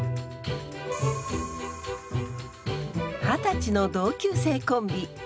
二十歳の同級生コンビ。